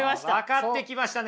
分かってきましたね。